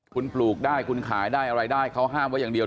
คุณปลูกได้คุณขายได้อะไรได้เขาห้ามไว้อย่างเดียว